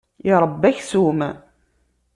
Iṛebba aksum.